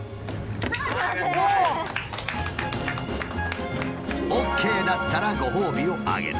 おお！ＯＫだったらご褒美をあげる。